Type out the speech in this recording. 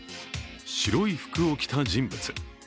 白い服を着た人物。